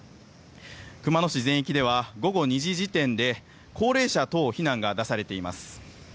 熊野市全域では午後２時時点で高齢者等避難が出されています。